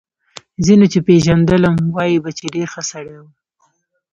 ځینو چې پېژندلم وايي به چې ډېر ښه سړی و